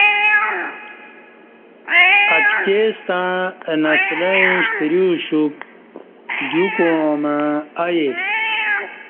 اتکی ستݩع اہ نسلعیں شتری اُوشُپ، دیو کوعاں مع ائے۔